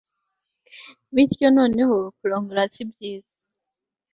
bityo, noneho kurongora si byiza